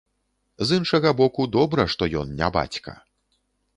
З іншага боку, добра, што ён не бацька.